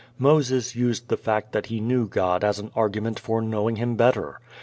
Moses used the fact that he knew God as an argument for knowing Him better.